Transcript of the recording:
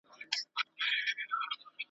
دوهم دا چي څوک آفت وي د دوستانو `